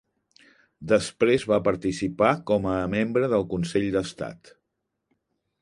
Després va participar com a membre del Consell d'Estat.